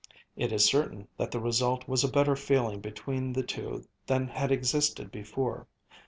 It is certain that the result was a better feeling between the two than had existed before.